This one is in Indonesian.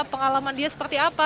pengalaman dia seperti apa